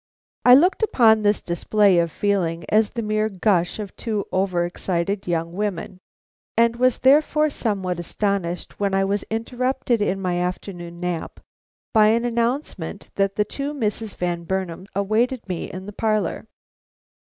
I looked upon this display of feeling as the mere gush of two over excited young women, and was therefore somewhat astonished when I was interrupted in my afternoon nap by an announcement that the two Misses Van Burnam awaited me in the parlor.